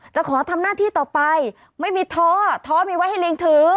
จะขอทำหน้าที่ต่อไปไม่มีท้อท้อมีไว้ให้ลิงถือ